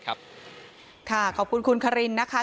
ขอบคุณคุณคารินนะคะ